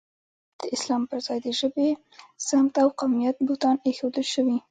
دا ځل د اسلام پر ځای د ژبې، سمت او قومیت بوتان اېښودل شوي.